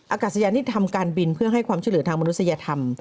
อากาศยานที่ทำการบินเพื่อให้ความช่วยเหลือทางมนุษยธรรม